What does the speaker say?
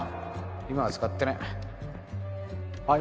今は使ってねえあっ